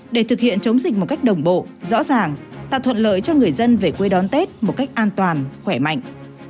để thực hiện chống dịch một cách đồng bộ rõ ràng tạo thuận lợi cho người dân về quê đón tết một cách an toàn khỏe mạnh